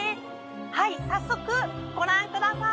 はい早速ご覧ください